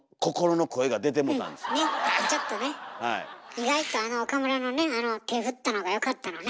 意外とあの岡村のね手振ったのがよかったのね。